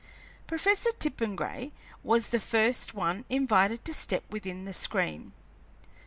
Professor Tippengray was the first one invited to step within the screen.